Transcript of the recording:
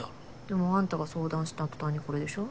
でもあんたが相談した途端にこれでしょ。